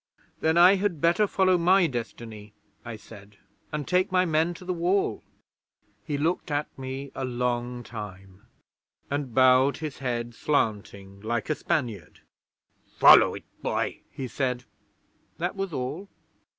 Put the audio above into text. '"Then I had better follow my destiny," I said, "and take my men to the Wall." 'He looked at me a long time, and bowed his head slanting like a Spaniard. "Follow it, boy," he said. That was all.